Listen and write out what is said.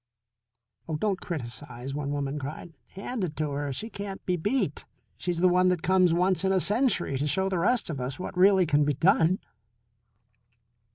"Oh, don't criticise," one woman cried. "Hand it to her! She can't be beat. She's the one that comes once in a century to show the rest of us what really can be done."